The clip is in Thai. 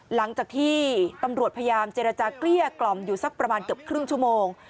หลังจากที่ตำรวจพยายามเจรจาเกลี้ยกล่อมอยู่สักประมาณเกือบครึ่งชั่วโมง